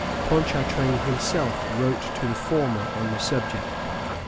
Ponchartrain himself wrote to the former on the subject.